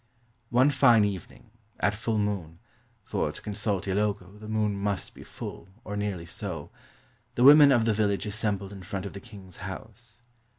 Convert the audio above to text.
One fine evening, at full moon (for, to consult Ilogo, the moon must be full, or nearly so), the women of the village assembled in front of the king's house.